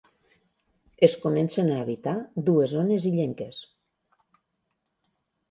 Es comencen a habitar dues zones illenques: